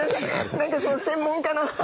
何か専門家の。